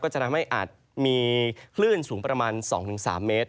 จะทำให้อาจมีคลื่นสูงประมาณ๒๓เมตร